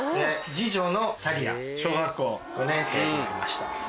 二女の紗里亜小学校５年生になりました。